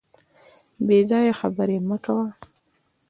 بې ځایه خبري مه کوه .